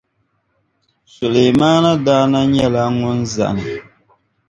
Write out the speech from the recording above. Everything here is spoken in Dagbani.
Sulemana daa na nyɛla ŋun zani.